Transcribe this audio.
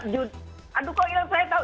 ya aduh kok hilang saya tau